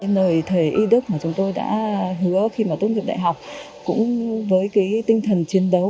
lời thầy y đức mà chúng tôi đã hứa khi mà tốt nghiệp đại học cũng với cái tinh thần chiến đấu